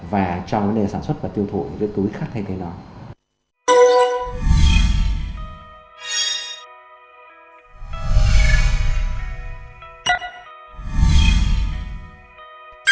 và trong vấn đề sản xuất và tiêu thụ những cái túi khác thay thế nào